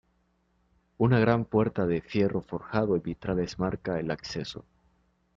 Una gran puerta de fierro forjado y vitrales marca el acceso.